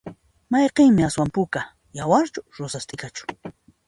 Mayqinmi aswan puka? yawarchu rosas t'ikachu?